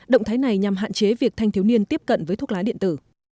động thái này nhằm hạn chế việc thanh thiếu niên tiếp cận với thuốc lá điện tử